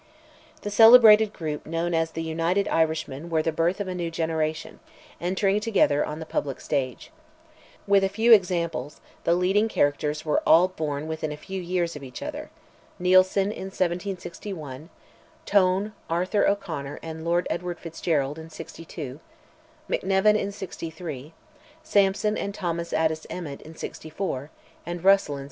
The celebrated group known to us as "the United Irishmen," were the birth of a new generation, entering together on the public stage. With few exceptions, the leading characters were all born within a few years of each other: Neilson in 1761, Tone, Arthur O'Conor and Lord Edward Fitzgerald in '62, McNevin in '63, Sampson and Thomas Addis Emmet in '64, and Russell in '67.